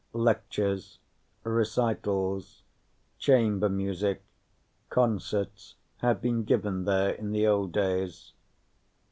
Lectures, recitals, chamber music concerts had been given there in the old days.